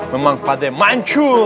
memang pak d mancul